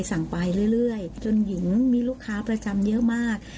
สั่งไปเรื่อยจนหญิงมีลูกค้าประจำเยอะมาก